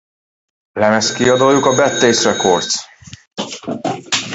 Lemezkiadójuk a Bad Taste Records.